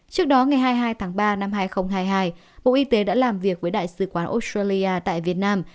trước đó ngày hai mươi hai tháng ba năm hai nghìn hai mươi hai bộ y tế đã làm việc với đại sứ quán australia tại việt nam